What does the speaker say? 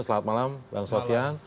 selamat malam bang sofyan